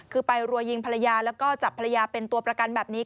คือไปรัวยิงภรรยาแล้วก็จับภรรยาเป็นตัวประกันแบบนี้